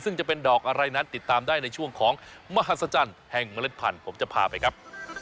ซึ่งจะเป็นดอกอะไรนั้นติดตามได้ในช่วงของมหัศจรรย์แห่งเมล็ดพันธุ์ผมจะพาไปครับ